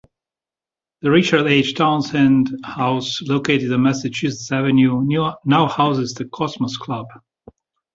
The Richard H. Townsend House located on Massachusetts Avenue now houses the Cosmos Club.